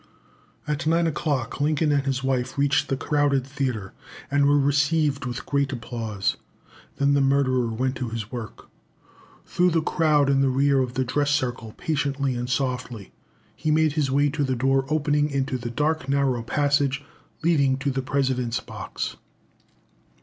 At nine o'clock, Lincoln and his wife reached the crowded theatre, and were received with great applause. Then the murderer went to his work. Through the crowd in the rear of the dress circle, patiently and softly, he made his way to the door opening into the dark narrow passage leading to the President's box.